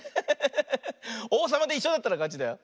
おうさまでいっしょだったらかちだよ。